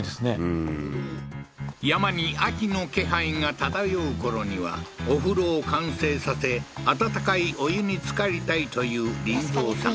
うん山に秋の気配が漂うころにはお風呂を完成させ温かいお湯につかりたいという林三さん